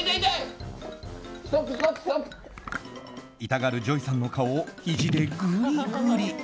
痛がるＪＯＹさんの顔をひじでぐりぐり。